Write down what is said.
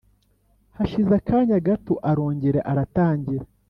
Hashize akanya gato arongera aratangira